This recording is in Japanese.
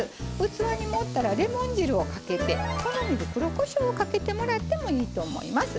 器に盛ったらレモン汁をかけて好みで黒こしょうをかけてもらってもいいと思います。